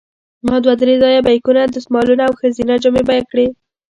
ما دوه درې ځایه بیکونه، دستمالونه او ښځینه جامې بیه کړې.